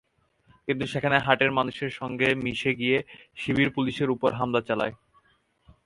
কিন্তু সেখানে হাটের মানুষের সঙ্গে মিশে গিয়ে শিবির পুলিশের ওপর হামলা চালায়।